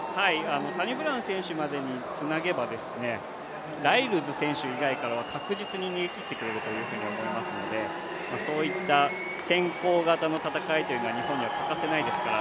サニブラウン選手までつなげばライルズ選手以外からは確実に逃げ切ってくれると思いますのでそういった先行型の戦いというのは日本には欠かせないですから